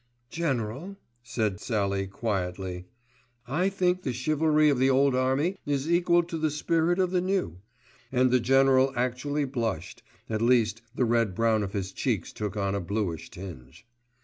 "General," said Sallie quietly, "I think the chivalry of the old army is equal to the spirit of the new," and the General actually blushed, at least the red brown of his cheeks took on a bluish tinge.